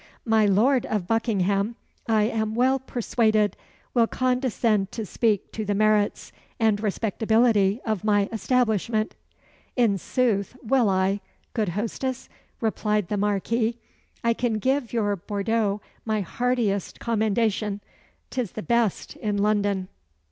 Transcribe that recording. "My lord of Buckingham, I am well persuaded, will condescend to speak to the merits and respectability of my establishment." "In sooth will I, good hostess," replied the Marquis. "I can give your Bordeaux my heartiest commendation. 'Tis the best in London."